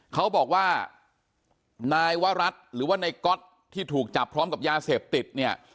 เขาบอกว่านายวรัฐหรือว่านายก๊อตที่ถูกจับพร้อมกับยาเสพติดเนี่ย